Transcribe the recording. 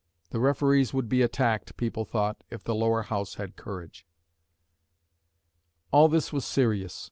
The referees would be attacked, people thought, if the Lower House had courage. All this was serious.